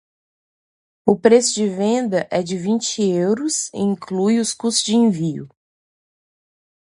O preço de venda é de vinte euros e inclui os custos de envio.